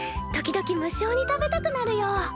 時々無性に食べたくなるよ。